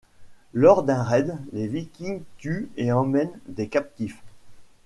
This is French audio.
Lors d’un raid, les Vikings tuent ou emmènent des captifs.